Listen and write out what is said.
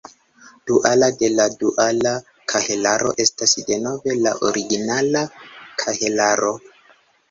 Duala de la duala kahelaro estas denove la originala kahelaro.